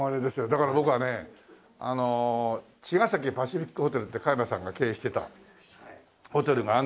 だから僕はねあの茅ヶ崎パシフィックホテルって加山さんが経営してたホテルがあるんですよね。